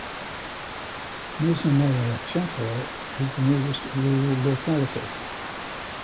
Nizhnyaya Chatra is the nearest rural locality.